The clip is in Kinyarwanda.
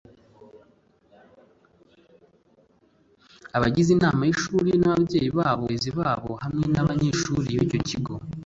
Abagize Inama y Ishuri n’ ababyeyi babo abarezi babo hamwe na banyeshuri bicyo kigo